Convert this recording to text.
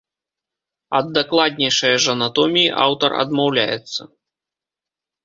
Ад дакладнейшае ж анатоміі аўтар адмаўляецца.